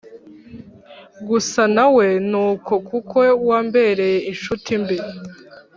gusa nawe nuko kuko wambereye inshuti mbi